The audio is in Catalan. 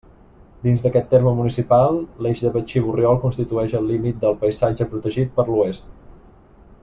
Dins d'aquest terme municipal, l'eix de Betxí Borriol constitueix el límit del paisatge protegit per l'oest.